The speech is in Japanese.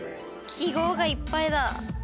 記号がいっぱいだ。